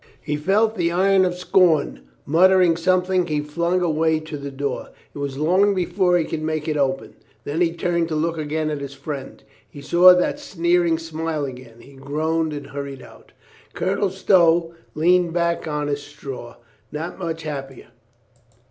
He felt the iron of scorn. ... Muttering something he flung away to the door. It was long before he could make it open. Then he turned to look again at his friend. He saw that sneering smile again. He groaned and hurried out. Colonel Stow leaned back on his straw, not much the happier.